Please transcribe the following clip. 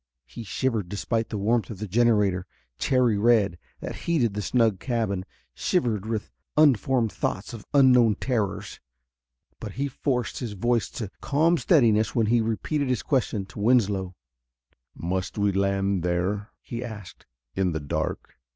He shivered, despite the warmth of the generator, cherry red, that heated the snug cabin; shivered with unformed thoughts of unknown terrors. But he forced his voice to calm steadiness when he repeated his question to Winslow. "Must we land there?" he asked. "In the dark?"